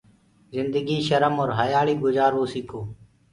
جندگي شرم اور هيآݪي گجآروو سيڪو